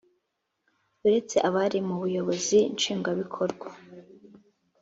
uretse abari mu buyobozi nshingwabikorwa